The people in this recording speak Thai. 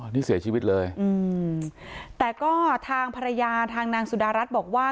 นี่เสียชีวิตเลยอืมแต่ก็ทางภรรยาทางนางสุดารัฐบอกว่า